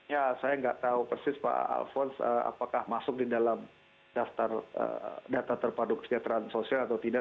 ya saya nggak tahu persis pak alfons apakah masuk di dalam daftar data terpadu kesejahteraan sosial atau tidak